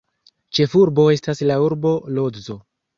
Ĉefurbo estas la urbo Lodzo.